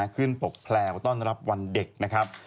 ปกแพลวต้อนรับวันเด็กนะครับ